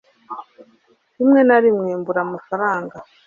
rimwe na rimwe mbura amafaranga